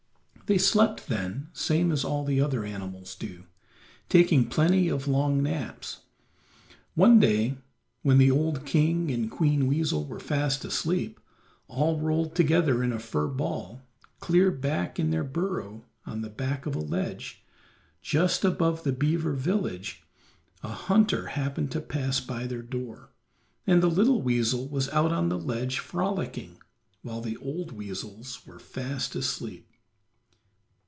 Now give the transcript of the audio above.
They slept then, same as all other animals do, taking plenty of long naps. One day when the old King and Queen Weasel were fast asleep, all rolled together in a fur ball, clear back in their burrow on the back of a ledge, just above the beaver village, a hunter happened to pass by their door, and the little weasel was out on the ledge frolicking, while the old weasels were fast asleep.